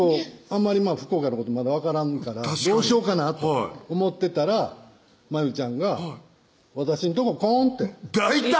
あんまり福岡のことまだ分からんから確かにどうしようかなと思ってたらまゆちゃんが「私んとこ来ん？」って大胆！